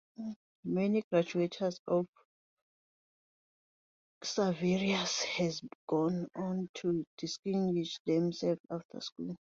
Many graduates of Xaverius have gone on to distinguish themselves after school.